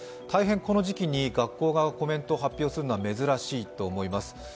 大変、この時期に学校がコメントを発表するのは珍しいと思います。